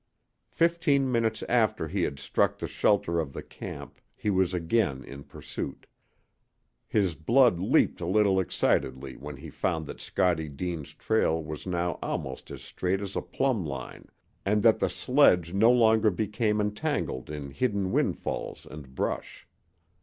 Fifteen minutes after he had struck the shelter of the camp he was again in pursuit. His blood leaped a little excitedly when he found that Scottie Deane's trail was now almost as straight as a plumb line and that the sledge no longer became entangled in hidden windfalls and brush.